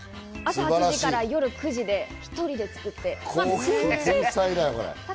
朝８時から夜９時までで作って。